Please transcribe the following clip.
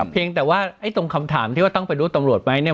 เพียงแต่ว่าไอ้ตรงคำถามที่ว่าต้องไปรู้ตำรวจไหมเนี่ย